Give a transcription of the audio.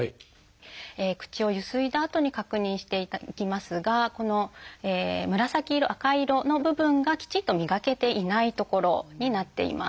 口をゆすいだあとに確認していきますがこの紫色赤色の部分がきちっと磨けていない所になっています。